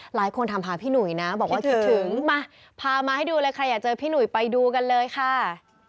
หลายคนถามพาพี่หนุ่ยนะบอกว่าคิดถึงมาพามาให้ดูเลยใครอยากเจอพี่หนุ่ยไปดูกันเลยค่ะ